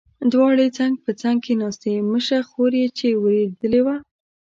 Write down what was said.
دواړې څنګ په څنګ کېناستې، مشره خور یې چې وېرېدلې وه.